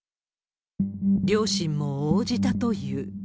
両親も応じたという。